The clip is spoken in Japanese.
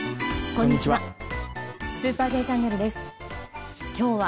こんにちは。